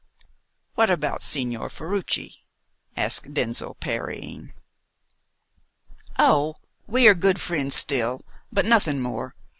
"What about Signor Ferruci?" asked Denzil, parrying. "Oh, we are good friends still, but nothing more.